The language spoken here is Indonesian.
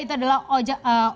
itu adalah oj